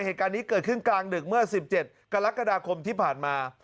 เหตุการณ์นี้เกิดขึ้นกลางดึกเมื่อ๑๗กรกฎาคมที่ผ่านมา